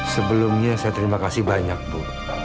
sebelumnya saya terima kasih banyak bu